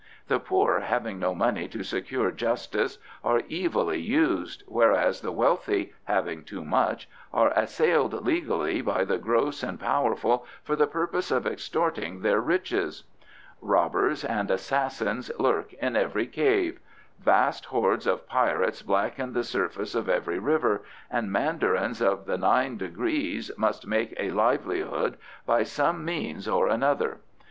The poor, having no money to secure justice, are evilly used, whereas the wealthy, having too much, are assailed legally by the gross and powerful for the purpose of extorting their riches. Robbers and assassins lurk in every cave; vast hoards of pirates blacken the surface of every river; and mandarins of the nine degrees must make a livelihood by some means or other.